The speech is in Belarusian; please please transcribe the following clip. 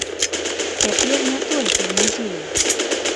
Цяпер не толькі ў музеях!